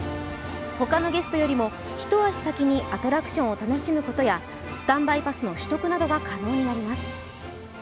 他のゲストよりも一足先にアトラクションを楽しむことやスタンバイパスの取得などが可能になります。